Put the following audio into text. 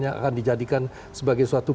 yang akan dijadikan sebagai suatu